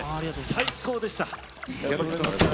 最高でした。